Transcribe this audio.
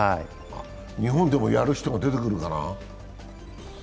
日本でもやる人が出てくるかな？